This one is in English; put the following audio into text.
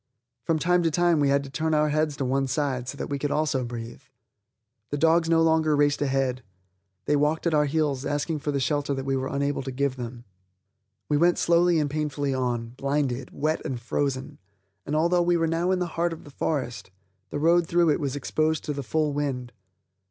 From time to time we had to turn our heads to one side, so that we also could breathe. The dogs no longer raced ahead; they walked at our heels asking for the shelter that we were unable to give them. We went slowly and painfully on, blinded, wet and frozen, and, although we were now in the heart of the forest, the road through it was exposed to the full wind.